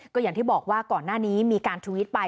ก็อย่างที่บอกว่าก่อนหน้านี้มีการทวิตไป